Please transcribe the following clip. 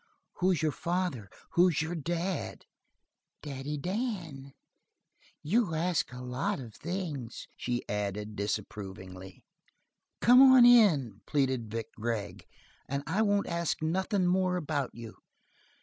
"Who's your father? Who's your dad?" "Daddy Dan. You ask a lot of things," she added, disapprovingly. "Come on in," pleaded Vic Gregg, "and I won't ask nothin' more about you."